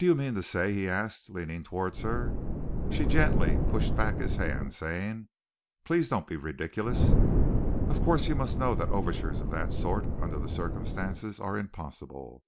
"Do you mean to say " he asked, leaning towards her, She gently pushed back his hand, saying: "Please don't be ridiculous. Of course, you must know that overtures of that sort, under the circumstances, are impossible."